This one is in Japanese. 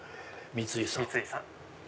三井さん。